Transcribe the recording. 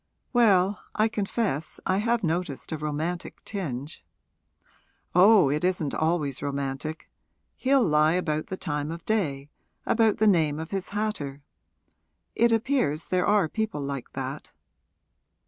'Well, I confess I have noticed a romantic tinge ' 'Oh, it isn't always romantic. He'll lie about the time of day, about the name of his hatter. It appears there are people like that.'